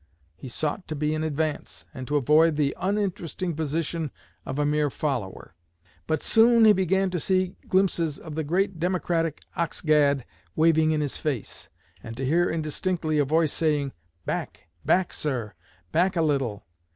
He sought to be in advance, and to avoid the uninteresting position of a mere follower. But soon he began to see glimpses of the great Democratic ox gad waving in his face, and to hear indistinctly a voice saying, 'Back! Back, sir! Back a little!'